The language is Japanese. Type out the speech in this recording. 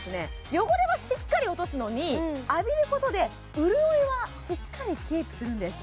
汚れはしっかり落とすのに浴びることで潤いはしっかりキープするんです